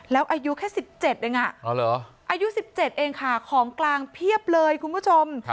แล้วอายุแค่๑๗เองอายุ๑๗เองค่ะของกลางเพียบเลยคุณผู้ชม